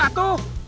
kamu mau pesen apa